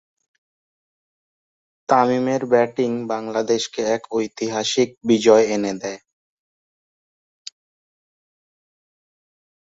তামিমের ব্যাটিং বাংলাদেশকে এক ঐতিহাসিক বিজয় এনে দেয়।